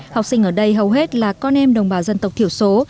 học sinh ở đây hầu hết là con em đồng bào dân tộc thiểu số